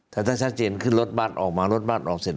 แต่ถ้าชัดเจนขึ้นรถบัตรออกมารถบัตรออกเสร็จ